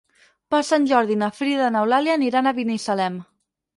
Per Sant Jordi na Frida i n'Eulàlia aniran a Binissalem.